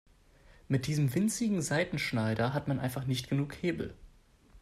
Mit diesem winzigen Seitenschneider hat man einfach nicht genug Hebel.